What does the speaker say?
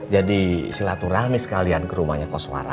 jadi silaturahmi sekalian ke rumahnya koswara